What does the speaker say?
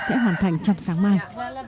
sẽ hoàn thành trong sáng mai